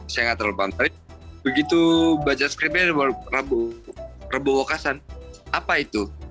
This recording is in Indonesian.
saya nggak terlalu paham tapi begitu baca skripnya reboh reboh wekasan apa itu